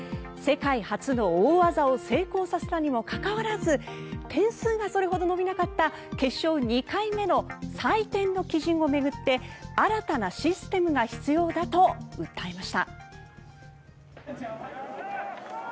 世界初の大技を成功させたにもかかわらず点数がそれほど伸びなかった決勝２回目の採点の基準を巡って新たなシステムが必要だと訴えました。